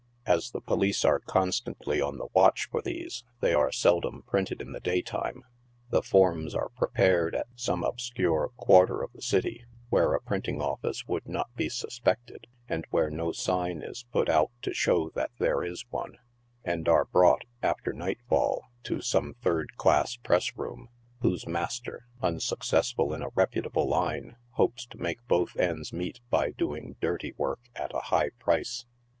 As the police are constantly on the watch for these, they are seldom printed in the daytime. The forms are prepared at some obscure quarter of the city, where a printing office would not be suspected, and where no sign i& put out to show that there is one, and are brought, after nightfall, to some third class press room, whose master, unsuccessful in a reputable line, hopes to make both ends meet by doing dirty work at a high price.